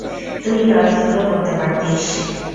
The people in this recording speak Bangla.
তুই ল স্কুলে পড়তে পারতিস।